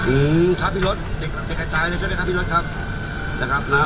อืมครับพี่รถเด็กกระจายเลยใช่ไหมครับพี่รถครับนะครับ